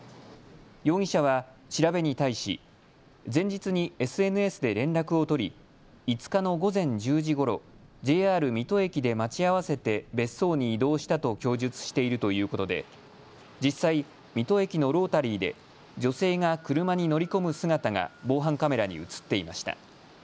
容疑者は調べに対し前日にＳＮＳで連絡を取り５日の午前１０時ごろＪＲ水戸駅で待ち合わせて別荘に移動したと供述しているということで実際、水戸駅のロータリーで女性が車に乗り込む姿が防犯カメラに写っていました。